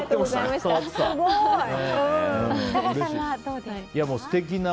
設楽さんはどうですか？